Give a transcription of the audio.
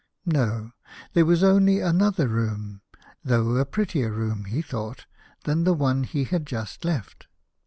No; there was only another room, though a prettier room, he thought, than the one he had just left.